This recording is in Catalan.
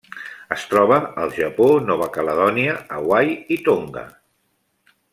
Es troba al Japó, Nova Caledònia, Hawaii i Tonga.